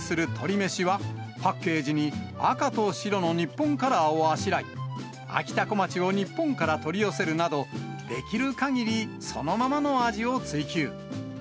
めしは、パッケージに赤と白の日本カラーをあしらい、あきたこまちを日本から取り寄せるなど、できるかぎりそのままの味を追求。